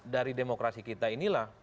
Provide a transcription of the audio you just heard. dari demokrasi kita inilah